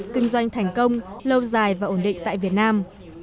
kinh doanh thành công lâu dài và ổn định tại việt nam